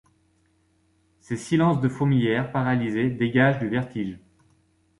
Ces silences de fourmilière paralysée dégagent du vertige.